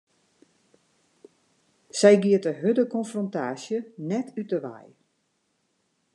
Sy giet de hurde konfrontaasje net út 'e wei.